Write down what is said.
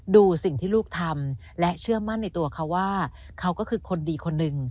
ดูสิ่งที่ลูกทำและเชื่อมั่นในตัวเขาว่าเขาก็คือคนดีคนหนึ่ง